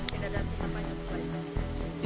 tidak ada tiga panjang sekali ya